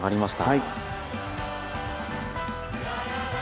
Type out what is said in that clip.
はい。